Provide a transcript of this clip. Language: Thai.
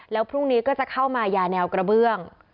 แล้วพรุ่งนี้ก็จะเข้ามายาแนวกระเบื้อง